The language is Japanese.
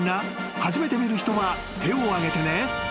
［初めて見る人は手を挙げてね］